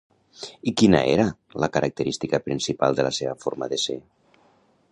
I quina era la característica principal de la seva forma de ser?